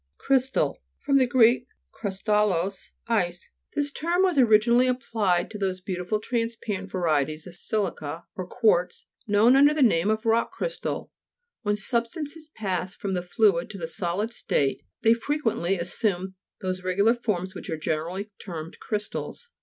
CRY'STAL fr. gr. krustallos, ice. This term was originally applied to those beautiful transparent varie ties of si'lica, or quartz, known un der the name of rock crystal. When substances pass from the fluid to the solid state, they frequently as sume those regular forms which are generally termed crystals.